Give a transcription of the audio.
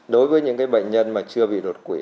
đối với những bệnh nhân mà chưa bị độc quỷ